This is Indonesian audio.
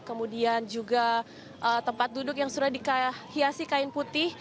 kemudian juga tempat duduk yang sudah dihiasi kain putih